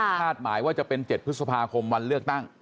หมายว่าจะเป็น๗พฤษภาคมวันเลือกตั้ง